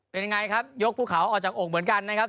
เป็นยังไงครับยกภูเขาออกจากอกเหมือนกันนะครับ